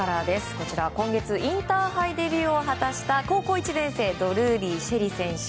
こちら、今月インターハイデビューを果たした高校１年生ドルーリー朱瑛里選手。